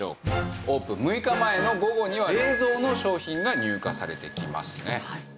オープン６日前の午後には冷蔵の商品が入荷されてきますね。